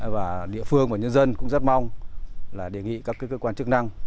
và địa phương và nhân dân cũng rất mong là đề nghị các cơ quan chức năng